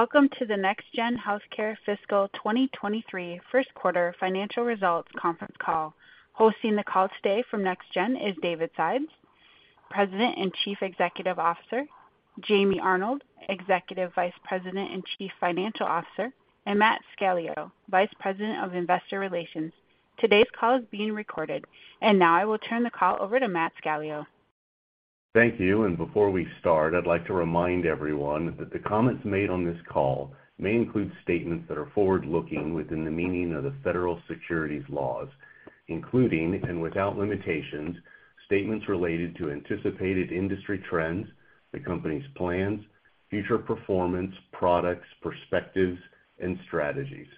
Welcome to the NextGen Healthcare Fiscal 2023 First Quarter Financial Results Conference Call. Hosting the call today from NextGen is David Sides, President and Chief Executive Officer, Jamie Arnold, Executive Vice President and Chief Financial Officer, and Matthew Scalo, Vice President of Investor Relations. Today's call is being recorded. Now I will turn the call over to Matthew Scalo. Thank you. Before we start, I'd like to remind everyone that the comments made on this call may include statements that are forward-looking within the meaning of the federal securities laws, including, and without limitations, statements related to anticipated industry trends, the company's plans, future performance, products, perspectives, and strategies.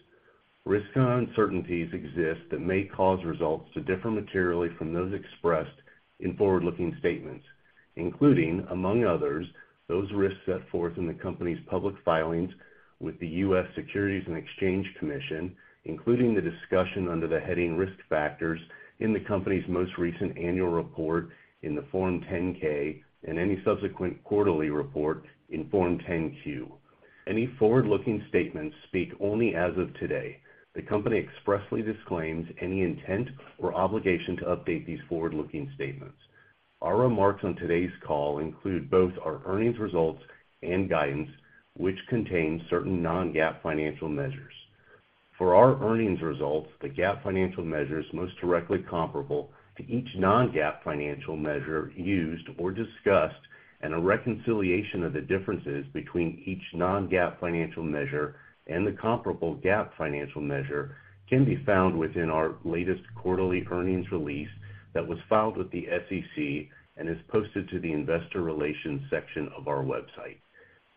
Risks and uncertainties exist that may cause results to differ materially from those expressed in forward-looking statements, including, among others, those risks set forth in the company's public filings with the U.S. Securities and Exchange Commission, including the discussion under the heading Risk Factors in the company's most recent annual report on Form 10-K and any subsequent quarterly report on Form 10-Q. Any forward-looking statements speak only as of today. The company expressly disclaims any intent or obligation to update these forward-looking statements. Our remarks on today's call include both our earnings results and guidance, which contain certain non-GAAP financial measures. For our earnings results, the GAAP financial measures most directly comparable to each non-GAAP financial measure used or discussed, and a reconciliation of the differences between each non-GAAP financial measure and the comparable GAAP financial measure can be found within our latest quarterly earnings release that was filed with the SEC and is posted to the Investor Relations section of our website.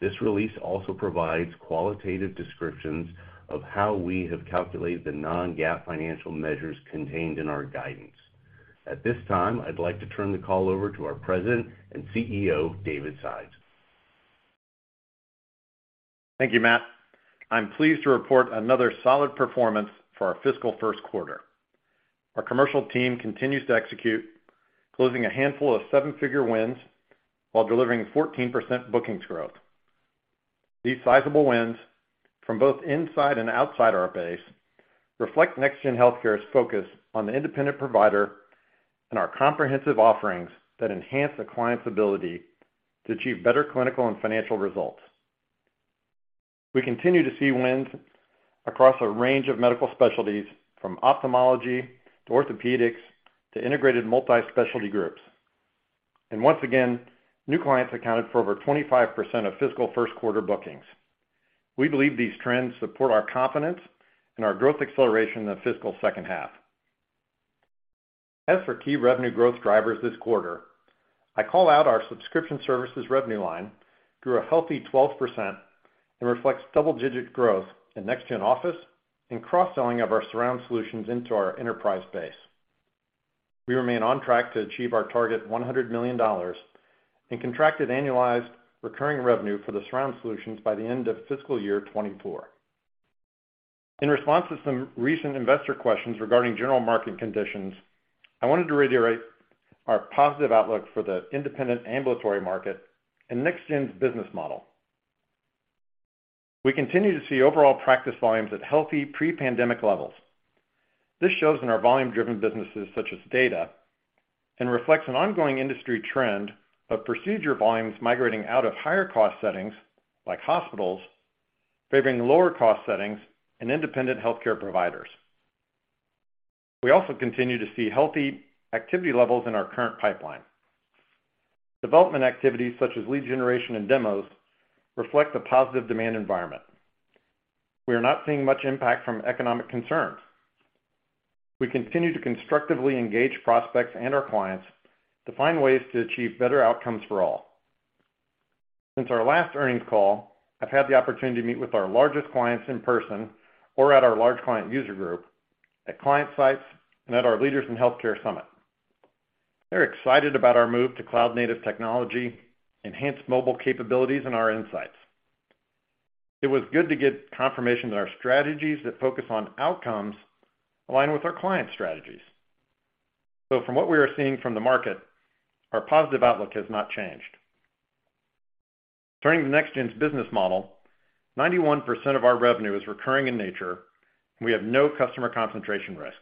This release also provides qualitative descriptions of how we have calculated the non-GAAP financial measures contained in our guidance. At this time, I'd like to turn the call over to our President and CEO, David Sides. Thank you, Matt. I'm pleased to report another solid performance for our fiscal first quarter. Our commercial team continues to execute, closing a handful of seven-figure wins while delivering 14% bookings growth. These sizable wins from both inside and outside our base reflect NextGen Healthcare's focus on the independent provider and our comprehensive offerings that enhance the client's ability to achieve better clinical and financial results. We continue to see wins across a range of medical specialties, from ophthalmology to orthopedics to integrated multi-specialty groups. Once again, new clients accounted for over 25% of fiscal first quarter bookings. We believe these trends support our confidence and our growth acceleration in the fiscal second half. As for key revenue growth drivers this quarter, I call out our subscription services revenue line grew a healthy 12% and reflects double-digit growth in NextGen Office and cross-selling of our surround solutions into our enterprise base. We remain on track to achieve our target $100 million in contracted annualized recurring revenue for the surround solutions by the end of fiscal year 2024. In response to some recent investor questions regarding general market conditions, I wanted to reiterate our positive outlook for the independent ambulatory market and NextGen's business model. We continue to see overall practice volumes at healthy pre-pandemic levels. This shows in our volume-driven businesses such as data, and reflects an ongoing industry trend of procedure volumes migrating out of higher-cost settings like hospitals, favoring lower-cost settings and independent healthcare providers. We also continue to see healthy activity levels in our current pipeline. Development activities such as lead generation and demos reflect the positive demand environment. We are not seeing much impact from economic concerns. We continue to constructively engage prospects and our clients to find ways to achieve better outcomes for all. Since our last earnings call, I've had the opportunity to meet with our largest clients in person or at our large client user group, at client sites, and at our Leaders in Healthcare Summit. They're excited about our move to cloud-native technology, enhanced mobile capabilities, and our insights. It was good to get confirmation that our strategies that focus on outcomes align with our clients' strategies. From what we are seeing from the market, our positive outlook has not changed. Turning to NextGen's business model, 91% of our revenue is recurring in nature, and we have no customer concentration risk.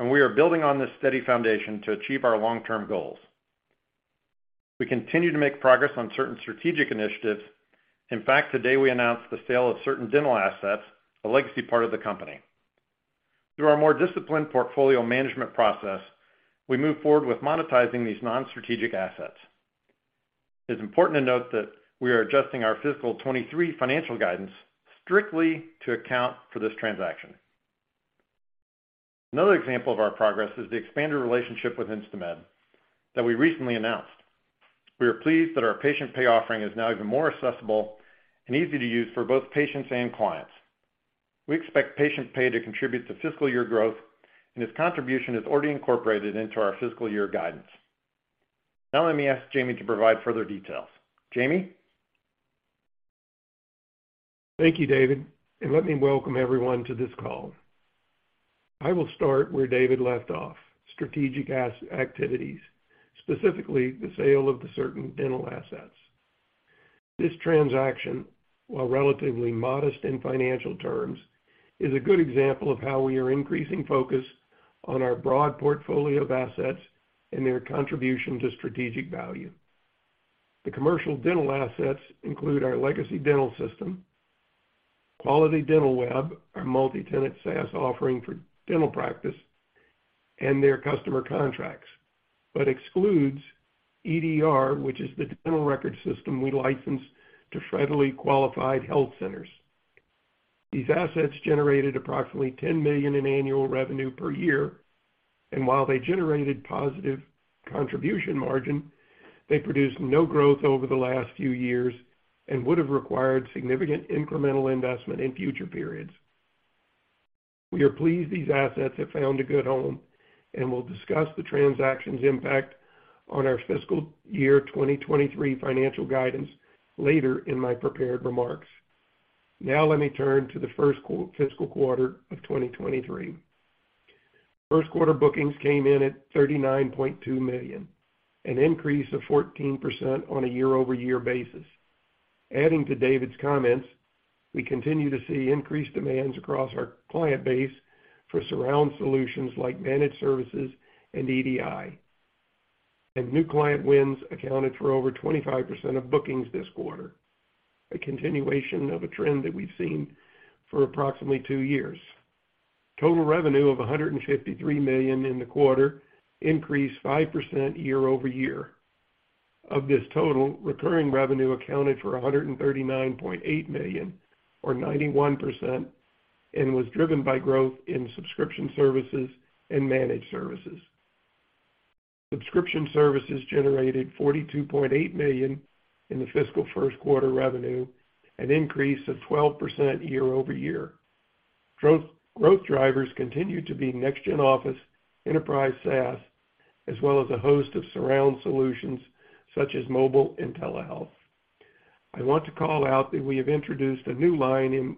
We are building on this steady foundation to achieve our long-term goals. We continue to make progress on certain strategic initiatives. In fact, today we announced the sale of certain dental assets, a legacy part of the company. Through our more disciplined portfolio management process, we move forward with monetizing these non-strategic assets. It's important to note that we are adjusting our fiscal 2023 financial guidance strictly to account for this transaction. Another example of our progress is the expanded relationship with InstaMed that we recently announced. We are pleased that our patient pay offering is now even more accessible and easy to use for both patients and clients. We expect patient pay to contribute to fiscal year growth, and its contribution is already incorporated into our fiscal year guidance. Now let me ask Jamie to provide further details. Jamie? Thank you, David, and let me welcome everyone to this call. I will start where David left off, strategic activities, specifically the sale of certain dental assets. This transaction, while relatively modest in financial terms, is a good example of how we are increasing focus on our broad portfolio of assets and their contribution to strategic value. The commercial dental assets include our legacy dental system, Quality Dental Web, our multi-tenant SaaS offering for dental practice, and their customer contracts, but excludes EDR, which is the dental record system we licensed to federally qualified health centers. These assets generated approximately $10 million in annual revenue per year, and while they generated positive contribution margin, they produced no growth over the last few years and would have required significant incremental investment in future periods. We are pleased these assets have found a good home and will discuss the transaction's impact on our fiscal year 2023 financial guidance later in my prepared remarks. Now let me turn to the first fiscal quarter of 2023. First quarter bookings came in at $39.2 million, an increase of 14% on a year-over-year basis. Adding to David's comments, we continue to see increased demands across our client base for surround solutions like managed services and EDI. New client wins accounted for over 25% of bookings this quarter, a continuation of a trend that we've seen for approximately two years. Total revenue of $153 million in the quarter increased 5% year-over-year. Of this total, recurring revenue accounted for $139.8 million or 91% and was driven by growth in subscription services and managed services. Subscription services generated $42.8 million in the fiscal first quarter revenue, an increase of 12% year-over-year. Growth drivers continued to be NextGen Office, NextGen Enterprise SaaS, as well as a host of surround solutions such as mobile and telehealth. I want to call out that we have introduced a new line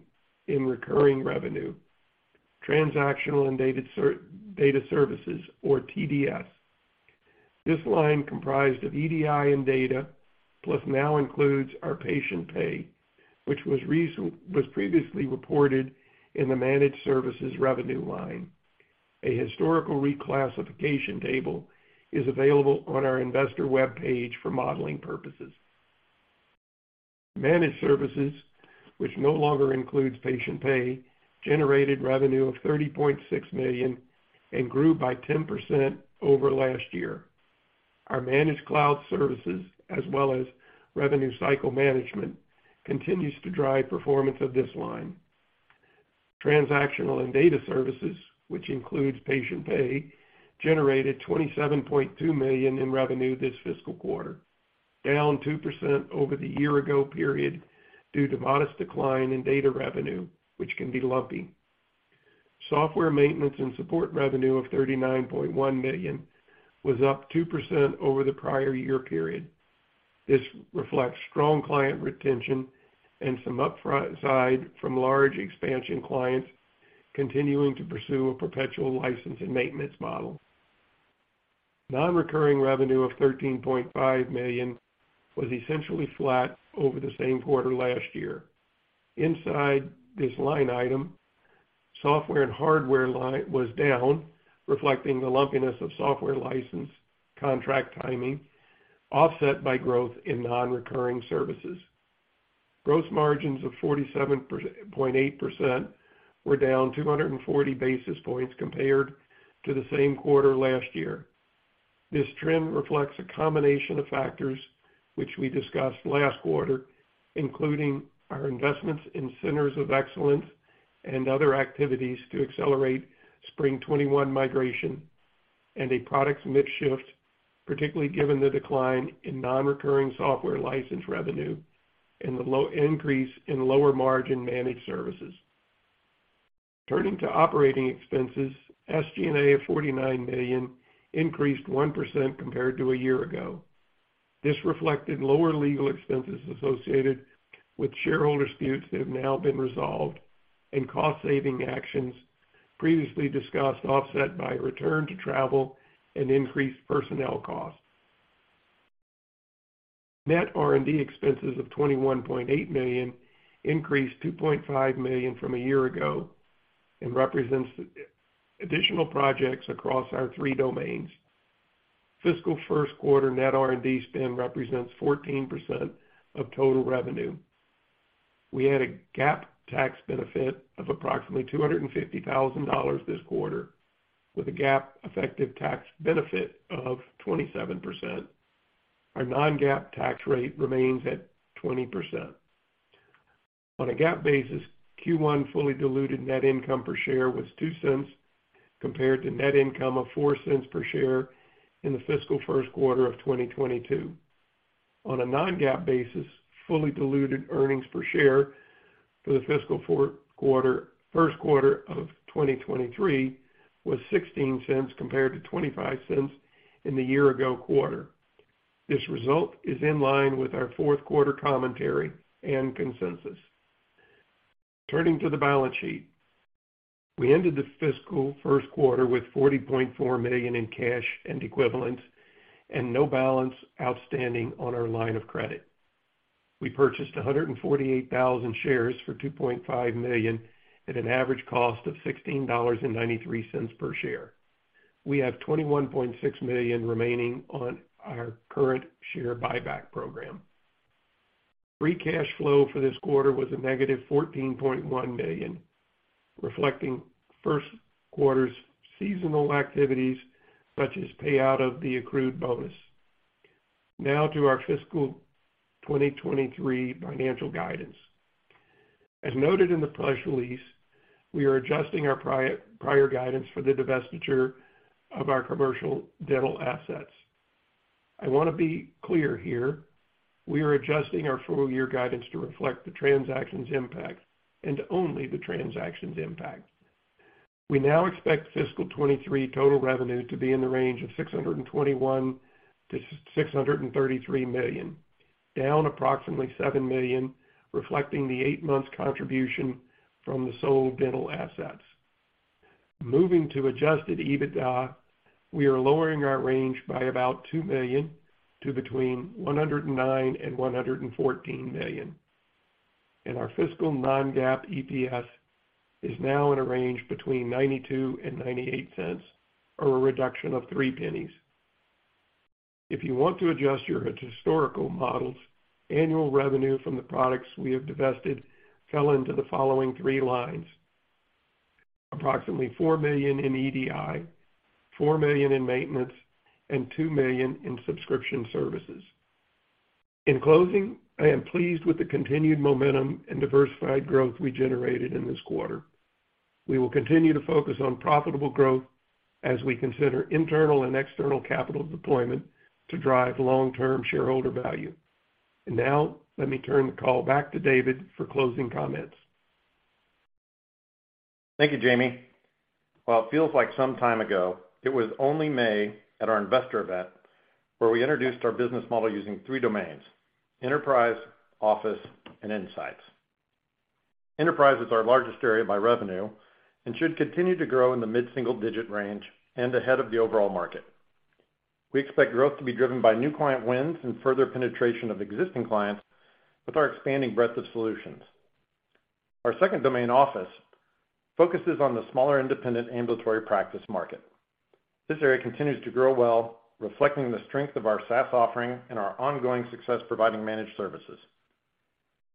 in recurring revenue, transactional and data services or TDS. This line comprised of EDI and data, plus now includes our patient pay, which was previously reported in the managed services revenue line. A historical reclassification table is available on our investor web page for modeling purposes. Managed services, which no longer includes patient pay, generated revenue of $30.6 million and grew by 10% over last year. Our managed cloud services as well as revenue cycle management continues to drive performance of this line. Transactional and data services, which includes patient pay, generated $27.2 million in revenue this fiscal quarter, down 2% over the year ago period due to modest decline in data revenue, which can be lumpy. Software maintenance and support revenue of $39.1 million was up 2% over the prior year period. This reflects strong client retention and some upside from large expansion clients continuing to pursue a perpetual license and maintenance model. Non-recurring revenue of $13.5 million was essentially flat over the same quarter last year. Inside this line item, software and hardware line was down, reflecting the lumpiness of software license contract timing, offset by growth in non-recurring services. Gross margins of 47.8% were down 240 basis points compared to the same quarter last year. This trend reflects a combination of factors which we discussed last quarter, including our investments in centers of excellence and other activities to accelerate Spring '21 migration and a product mix shift, particularly given the decline in non-recurring software license revenue and the low increase in lower margin managed services. Turning to operating expenses, SG&A of $49 million increased 1% compared to a year ago. This reflected lower legal expenses associated with shareholder disputes that have now been resolved and cost saving actions previously discussed, offset by return to travel and increased personnel costs. Net R&D expenses of $21.8 million increased $2.5 million from a year ago and represents additional projects across our three domains. Fiscal first quarter net R&D spend represents 14% of total revenue. We had a GAAP tax benefit of approximately $250,000 this quarter, with a GAAP effective tax benefit of 27%. Our non-GAAP tax rate remains at 20%. On a GAAP basis, Q1 fully diluted net income per share was $0.02 compared to net income of $0.04 per share in the fiscal first quarter of 2022. On a non-GAAP basis, fully diluted earnings per share for the fiscal first quarter of 2023 was $0.16 compared to $0.25 in the year ago quarter. This result is in line with our fourth quarter commentary and consensus. Turning to the balance sheet. We ended the fiscal first quarter with $40.4 million in cash and equivalents and no balance outstanding on our line of credit. We purchased 148,000 shares for $2.5 million at an average cost of $16.93 per share. We have $21.6 million remaining on our current share buyback program. Free cash flow for this quarter was a negative $14.1 million, reflecting first quarter's seasonal activities such as payout of the accrued bonus. Now to our fiscal 2023 financial guidance. As noted in the press release, we are adjusting our prior guidance for the divestiture of our commercial dental assets. I want to be clear here, we are adjusting our full year guidance to reflect the transaction's impact and only the transaction's impact. We now expect fiscal 2023 total revenue to be in the range of $621 million-$633 million, down approximately $7 million, reflecting the eight months contribution from the sold dental assets. Moving to adjusted EBITDA, we are lowering our range by about $2 million to between $109 million and $114 million. Our fiscal non-GAAP EPS is now in a range between $0.92 and $0.98 or a reduction of three cents. If you want to adjust your historical models, annual revenue from the products we have divested fell into the following three lines. Approximately $4 million in EDI, $4 million in maintenance, and $2 million in subscription services. In closing, I am pleased with the continued momentum and diversified growth we generated in this quarter. We will continue to focus on profitable growth as we consider internal and external capital deployment to drive long-term shareholder value. Now, let me turn the call back to David for closing comments. Thank you, Jamie. While it feels like some time ago, it was only May at our investor event where we introduced our business model using three domains: Enterprise, Office, and Insights. Enterprise is our largest area by revenue and should continue to grow in the mid-single-digit range and ahead of the overall market. We expect growth to be driven by new client wins and further penetration of existing clients with our expanding breadth of solutions. Our second domain, Office, focuses on the smaller independent ambulatory practice market. This area continues to grow well, reflecting the strength of our SaaS offering and our ongoing success providing managed services.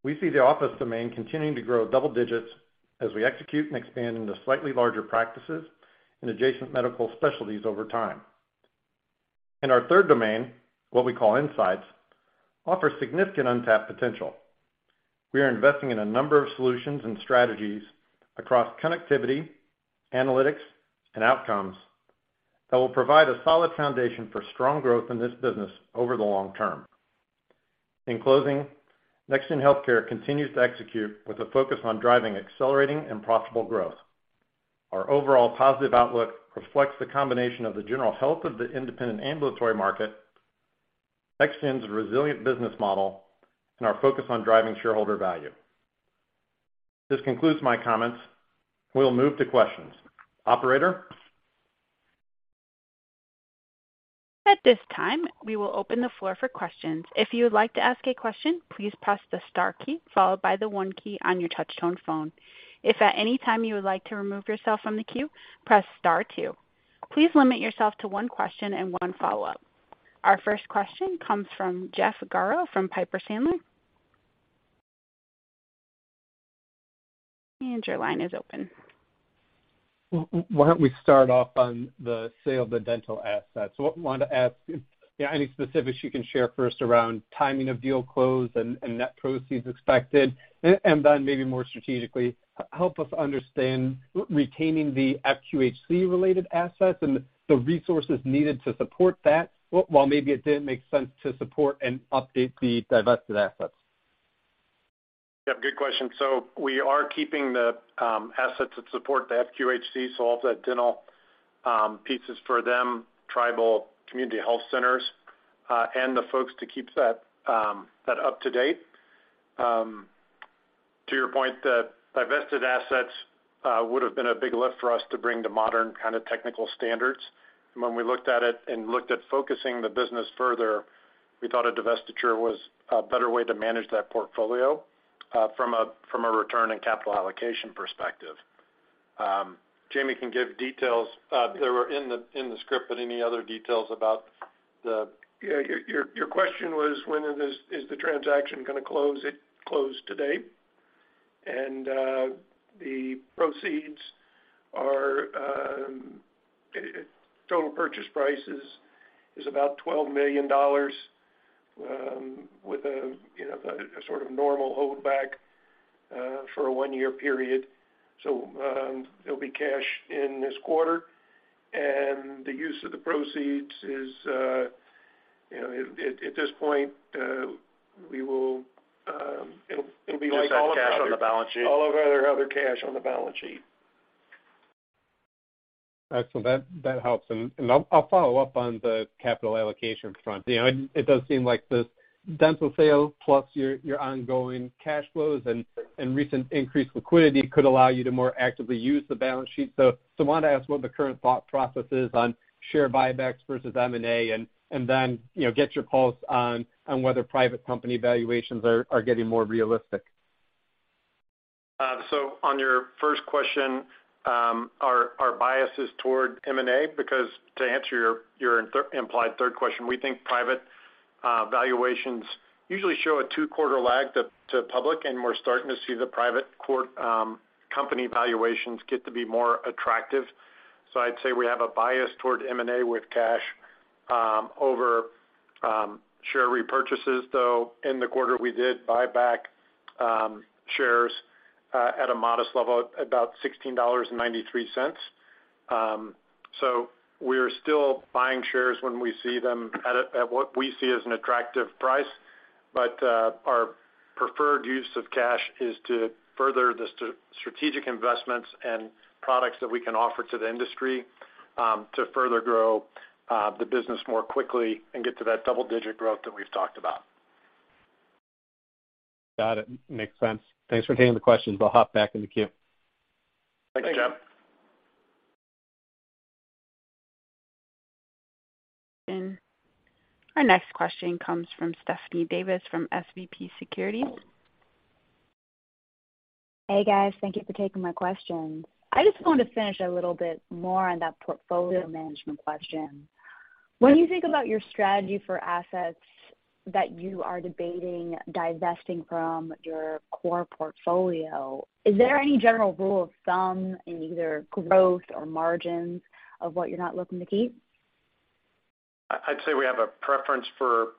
We see the Office domain continuing to grow double digits as we execute and expand into slightly larger practices and adjacent medical specialties over time. In our third domain, what we call Insights, offer significant untapped potential. We are investing in a number of solutions and strategies across connectivity, analytics, and outcomes that will provide a solid foundation for strong growth in this business over the long term. In closing, NextGen Healthcare continues to execute with a focus on driving accelerating and profitable growth. Our overall positive outlook reflects the combination of the general health of the independent ambulatory market, NextGen's resilient business model, and our focus on driving shareholder value. This concludes my comments. We'll move to questions. Operator? At this time, we will open the floor for questions. If you would like to ask a question, please press the star key followed by the one key on your touch-tone phone. If at any time you would like to remove yourself from the queue, press star two. Please limit yourself to one question and one follow-up. Our first question comes from Jeff Garro from Piper Sandler. Your line is open. Why don't we start off on the sale of the dental assets? What I wanted to ask is any specifics you can share first around timing of deal close and net proceeds expected? Then maybe more strategically, help us understand retaining the FQHC related assets and the resources needed to support that, while maybe it didn't make sense to support and update the divested assets. Yeah, good question. We are keeping the assets that support the FQHC, so all of the dental pieces for them, tribal community health centers, and the folks to keep that up to date. To your point, the divested assets would have been a big lift for us to bring to modern kind of technical standards. When we looked at it and looked at focusing the business further, we thought a divestiture was a better way to manage that portfolio from a return and capital allocation perspective. Jamie can give details that were in the script, but any other details about the- Yeah, your question was when is the transaction gonna close? It closed today. The total purchase price is about $12 million with a sort of normal holdback for a one-year period. It'll be cash in this quarter. The use of the proceeds is at this point it'll be like all of our Just add cash on the balance sheet. All of our other cash on the balance sheet. Excellent. That helps. I'll follow up on the capital allocation front. It does seem like this dental sale plus your ongoing cash flows and recent increased liquidity could allow you to more actively use the balance sheet. Wanted to ask what the current thought process is on share buybacks versus M&A, and then get your pulse on whether private company valuations are getting more realistic. On your first question, our bias is toward M&A because to answer your implied third question, we think private valuations usually show a two-quarter lag to public, and we're starting to see the private company valuations get to be more attractive. I'd say we have a bias toward M&A with cash over share repurchases, though in the quarter, we did buy back shares at a modest level at about $16.93. We're still buying shares when we see them at what we see as an attractive price. Our preferred use of cash is to further the strategic investments and products that we can offer to the industry to further grow the business more quickly and get to that double-digit growth that we've talked about. Got it. Makes sense. Thanks for taking the questions. I'll hop back in the queue. Thanks, Jeff. Our next question comes from Stephanie Davis from SVB Securities. Hey, guys. Thank you for taking my question. I just wanted to finish a little bit more on that portfolio management question. When you think about your strategy for assets that you are debating divesting from your core portfolio. Is there any general rule of thumb in either growth or margins of what you're not looking to keep? I'd say we have a preference for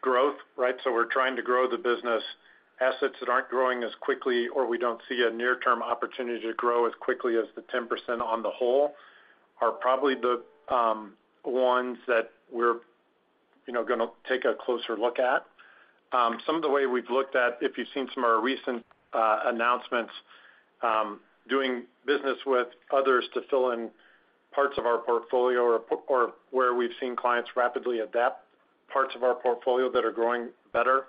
growth, right? We're trying to grow the business. Assets that aren't growing as quickly or we don't see a near-term opportunity to grow as quickly as the 10% on the whole are probably the ones that we're gonna take a closer look at. Some of the way we've looked at, if you've seen some of our recent announcements, doing business with others to fill in parts of our portfolio or where we've seen clients rapidly adapt parts of our portfolio that are growing better,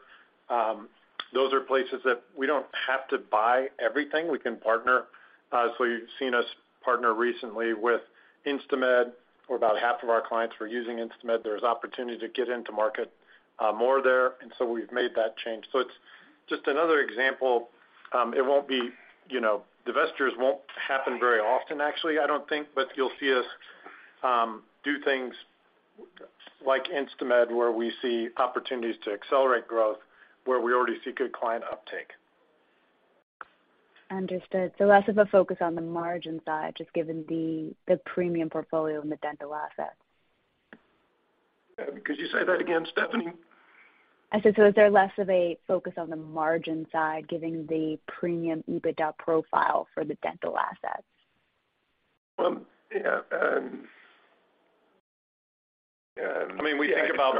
those are places that we don't have to buy everything. We can partner. You've seen us partner recently with InstaMed, where about half of our clients were using InstaMed. There's opportunity to get into market more there, and so we've made that change. It's just another example. Divestitures won't happen very often, actually, I don't think. You'll see us do things like InstaMed, where we see opportunities to accelerate growth, where we already see good client uptake. Understood. Less of a focus on the margin side, just given the premium portfolio in the dental assets. Could you say that again, Stephanie? I said, so is there less of a focus on the margin side, given the premium EBITDA profile for the dental assets? Yeah. Yeah. I mean, we think about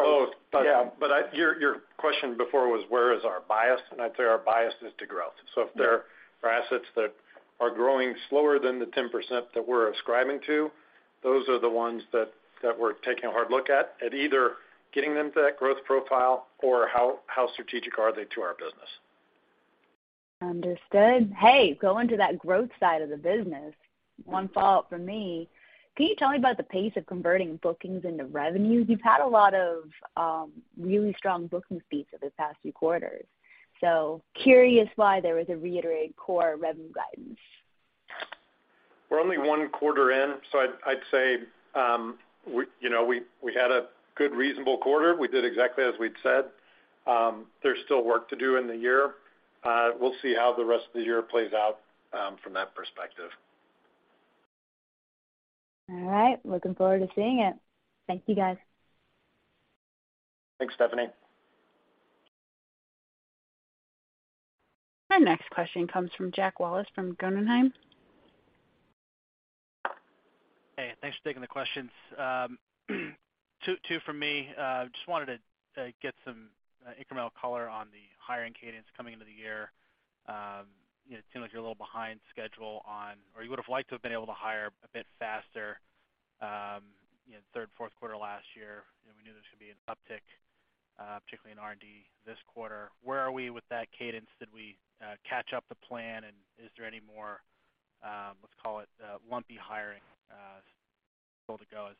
both. Yeah. Your question before was where is our bias, and I'd say our bias is to growth. If there are assets that are growing slower than the 10% that we're ascribing to, those are the ones that we're taking a hard look at either getting them to that growth profile or how strategic are they to our business. Understood. Hey, going to that growth side of the business, one follow-up from me. Can you tell me about the pace of converting bookings into revenues? You've had a lot of really strong booking speeds over the past few quarters. Curious why there was a reiterated core revenue guidance. We're only one quarter in, so I'd say we had a good reasonable quarter. We did exactly as we'd said. There's still work to do in the year. We'll see how the rest of the year plays out, from that perspective. All right. Looking forward to seeing it. Thank you, guys. Thanks, Stephanie. Our next question comes from Jack Wallace from Guggenheim. Hey, thanks for taking the questions. Two from me. Just wanted to get some incremental color on the hiring cadence coming into the year. It seemed like you're a little behind schedule on, or you would've liked to have been able to hire a bit faster, third, fourth quarter last year. We knew there was gonna be an uptick, particularly in R&D this quarter. Where are we with that cadence? Did we catch up the plan, and is there any more, let's call it lumpy hiring, still to go as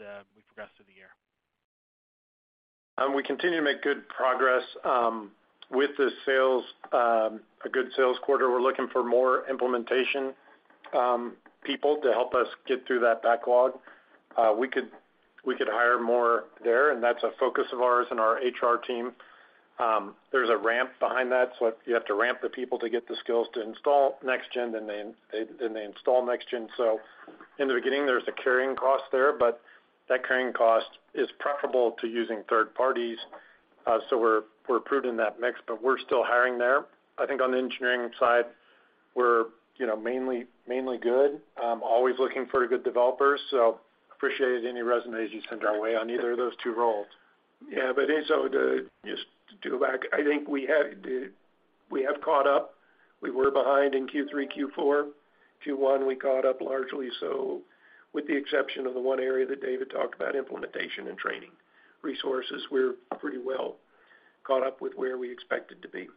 we progress through the year? We continue to make good progress with the sales, a good sales quarter. We're looking for more implementation people to help us get through that backlog. We could hire more there, and that's a focus of ours and our HR team. There's a ramp behind that, so you have to ramp the people to get the skills to install Next Gen, then they install Next Gen. In the beginning, there's a carrying cost there, but that carrying cost is preferable to using third parties. We're improving that mix, but we're still hiring there. I think on the engineering side, we're mainly good. Always looking for good developers, so appreciate any resumes you send our way on either of those two roles. Yeah. Just to go back, I think we have caught up. We were behind in Q3, Q4. Q1, we caught up largely so with the exception of the one area that David talked about, implementation and training resources, we're pretty well caught up with where we expected to be.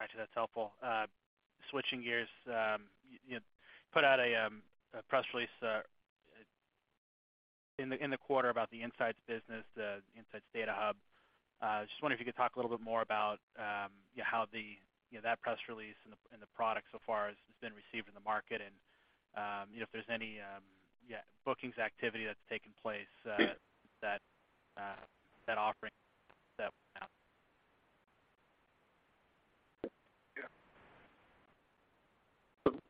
Gotcha. That's helpful. Switching gears, you put out a press release in the quarter about the Insights business, the NextGen Data Hub. Just wondering if you could talk a little bit more about how that press release and the product so far has been received in the market and if there's any bookings activity that's taken place, that offering that. Yeah.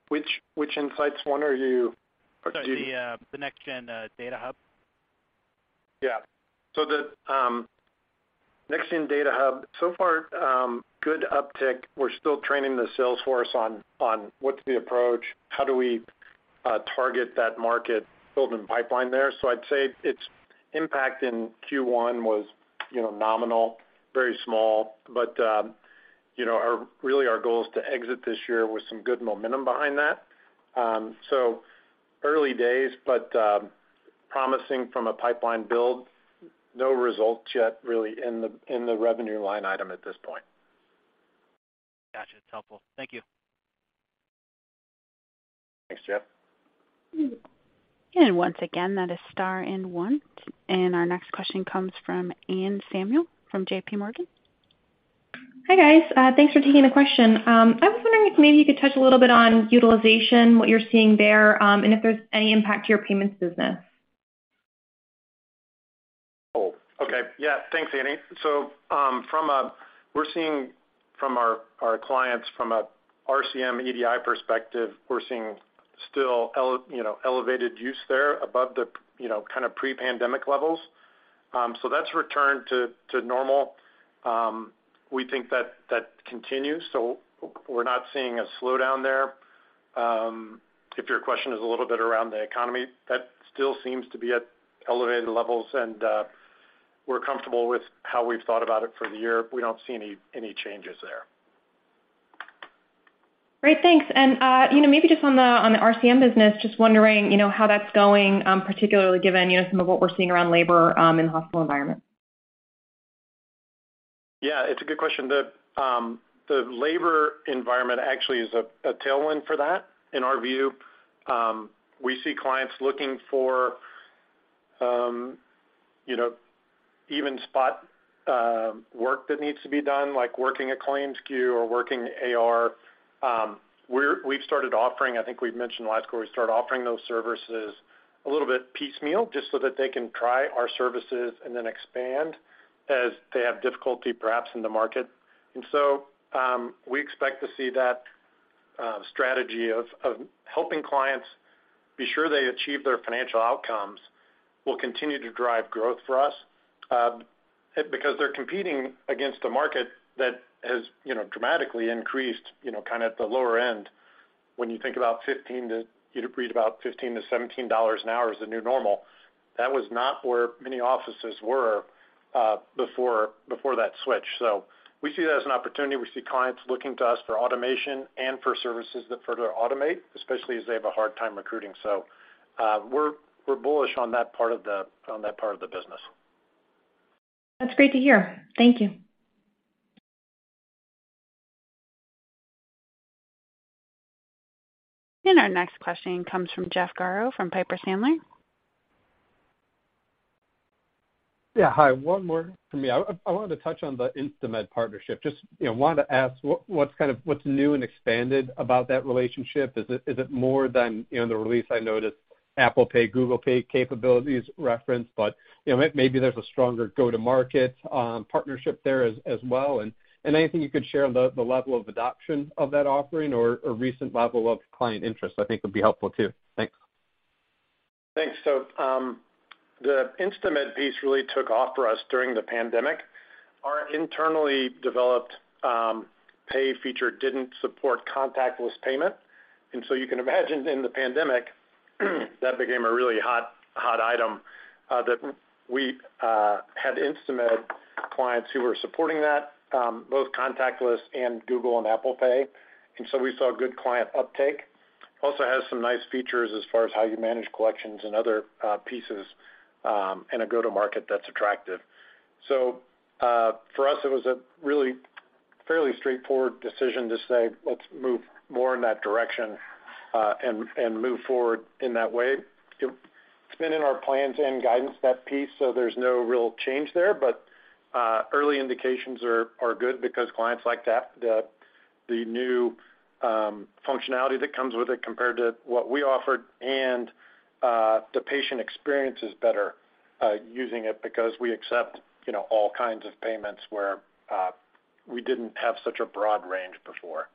Which insights one are you- Sorry, the NextGen Data Hub. Yeah. The NextGen Data Hub, so far, good uptick. We're still training the sales force on what's the approach, how do we target that market, building pipeline there. I'd say its impact in Q1 was, nominal, very small. Really our goal is to exit this year with some good momentum behind that. Early days, but promising from a pipeline build. No results yet really in the revenue line item at this point. Gotcha. It's helpful. Thank you. Thanks, Jeff. Once again, that is star and one. Our next question comes from Anne Samuel from JPMorgan Chase & Co. Hi, guys. Thanks for taking the question. I was wondering if maybe you could touch a little bit on utilization, what you're seeing there, and if there's any impact to your payments business. Oh, okay. Yeah. Thanks, Anne. We're seeing from our clients from a RCM EDI perspective, we're seeing still elevated use there above the pre-pandemic levels. So that's returned to normal. We think that continues, so we're not seeing a slowdown there. If your question is a little bit around the economy, that still seems to be at elevated levels and we're comfortable with how we've thought about it for the year. We don't see any changes there. Great. Thanks. Maybe just on the RCM business, just wondering how that's going, particularly given some of what we're seeing around labor and the hospital environment. Yeah, it's a good question. The labor environment actually is a tailwind for that in our view. We see clients looking for even spot work that needs to be done, like working a claims queue or working AR. We've started offering, I think we've mentioned last quarter, those services a little bit piecemeal just so that they can try our services and then expand as they have difficulty perhaps in the market. We expect to see that strategy of helping clients be sure they achieve their financial outcomes will continue to drive growth for us. Because they're competing against a market that hasdramatically increased, kinda at the lower end, when you think about $15-$17 an hour is the new normal. That was not where many offices were before that switch. We see that as an opportunity. We see clients looking to us for automation and for services that further automate, especially as they have a hard time recruiting. We're bullish on that part of the business. That's great to hear. Thank you. Our next question comes from Jeff Garro from Piper Sandler. Yeah. Hi. One more from me. I wanted to touch on the InstaMed partnership. Just wanted to ask what's new and expanded about that relationship? Is it more than the release I noticed Apple Pay, Google Pay capabilities referenced, but maybe there's a stronger go-to-market partnership there as well. Anything you could share on the level of adoption of that offering or a recent level of client interest, I think would be helpful too. Thanks. Thanks. The InstaMed piece really took off for us during the pandemic. Our internally developed pay feature didn't support contactless payment. You can imagine in the pandemic, that became a really hot item that we had InstaMed clients who were supporting that, both contactless and Google Pay and Apple Pay. We saw good client uptake. Also has some nice features as far as how you manage collections and other pieces, and a go-to-market that's attractive. For us, it was a really fairly straightforward decision to say, let's move more in that direction, and move forward in that way. It's been in our plans and guidance, that piece, so there's no real change there. Early indications are good because clients like the new functionality that comes with it compared to what we offered, and the patient experience is better using it because we accept all kinds of payments where we didn't have such a broad range before.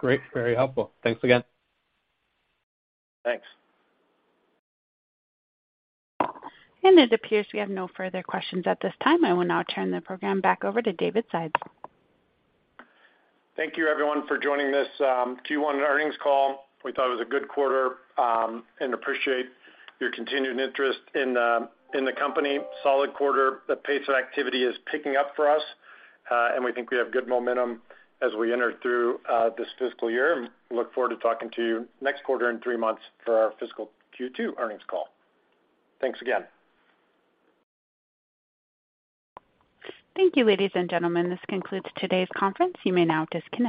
Great. Very helpful. Thanks again. Thanks. It appears we have no further questions at this time. I will now turn the program back over to David Sides. Thank you everyone for joining this Q1 earnings call. We thought it was a good quarter and appreciate your continued interest in the company. Solid quarter. The pace of activity is picking up for us and we think we have good momentum as we enter through this fiscal year. Look forward to talking to you next quarter in three months for our fiscal Q2 earnings call. Thanks again. Thank you, ladies and gentlemen. This concludes today's conference. You may now disconnect.